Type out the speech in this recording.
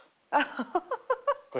これ。